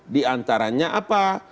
di antaranya apa